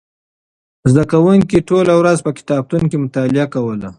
زده کوونکو ټوله ورځ په کتابتون کې مطالعه کوله.